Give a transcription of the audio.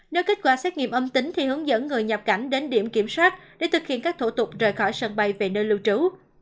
nếu kết quả xét nghiệm âm tính thì hướng dẫn người nhập cảnh đến điểm kiểm soát để thực hiện các thủ tục rời khỏi sân bay về nơi lưu trú